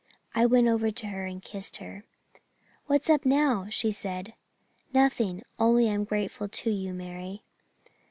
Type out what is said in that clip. I went over to her and kissed her. "'What's up now?' she said. "'Nothing only I'm so grateful to you, Mary.'